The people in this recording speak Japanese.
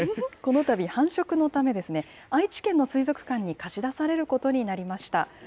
このたび、繁殖のため、愛知県の水族館に貸し出されることになりました。